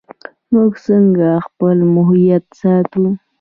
موږ څنګه خپل هویت ساتو؟